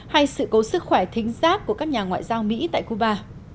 hay sự cố sức khỏe thính giác của các nhà ngoại giao mỹ tại cuba